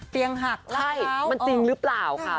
เตียงหักแล้วมันจริงหรือเปล่าค่ะ